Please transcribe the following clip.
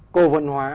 cố vận hóa